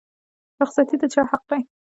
رخصتي د چا حق دی؟